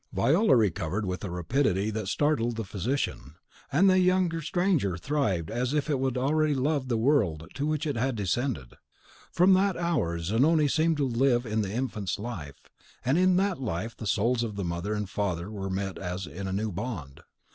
.... Viola recovered with a rapidity that startled the physician; and the young stranger thrived as if it already loved the world to which it had descended. From that hour Zanoni seemed to live in the infant's life, and in that life the souls of mother and father met as in a new bond.